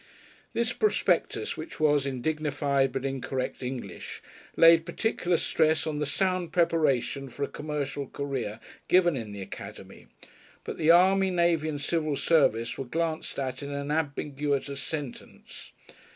This prospectus, which was in dignified but incorrect English, laid particular stress on the sound preparation for a commercial career given in the Academy, but the army, navy and civil service were glanced at in an ambiguous sentence.